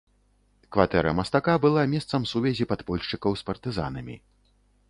Кватэра мастака была месцам сувязі падпольшчыкаў з партызанамі.